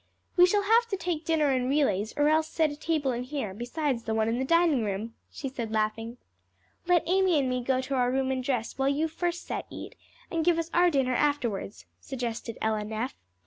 "We shall have to take dinner in relays or else set a table in here, besides the one in the dining room," she said, laughing. "Let Amy and me go to our room and dress while your first set eat, and give us our dinner afterwards," suggested Ella Neff.